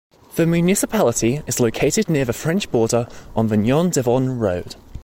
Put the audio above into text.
The municipality is located near the French border on the Nyon-Divonne road.